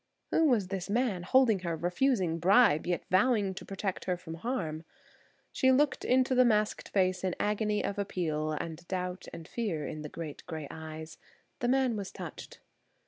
Who was this man holding her, refusing bribe, yet vowing to protect her from harm. She looked into the masked face in an agony of appeal and doubt and fear in the great grey eyes. The man was touched.